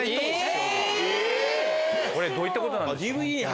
これどういったことでしょう？